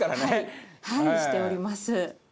はいしております。